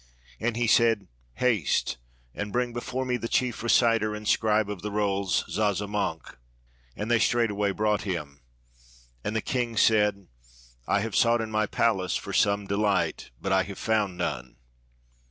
And he said, 'Haste, and bring before me the chief reciter and scribe of the rolls, Zazamankh'; and they straightway brought him. And the king said, ' I have sought in my palace for some delight, but I have found none.'